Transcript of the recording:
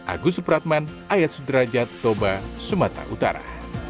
agus supratman ayat sudrajat toba sumatera utara